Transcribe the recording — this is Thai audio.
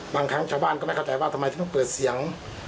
บางครั้งชาวบ้านก็ไม่เข้าใจว่าทำไมถึงต้องเปิดเสียง